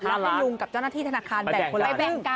แล้วให้ลุงกับเจ้าหน้าที่ธนาคารแบ่งคนละแบ่งกัน